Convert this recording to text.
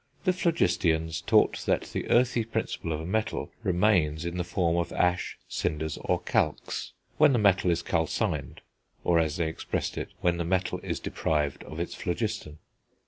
The phlogisteans taught that the earthy principle of a metal remains in the form of ash, cinders, or calx, when the metal is calcined, or, as they expressed it, when the metal is deprived of its phlogiston.